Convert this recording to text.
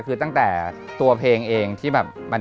คือตั้งแต่ตัวเพลงเองที่มันไม่ใช่เราจริง